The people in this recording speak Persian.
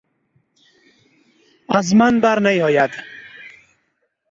از من بر نیآید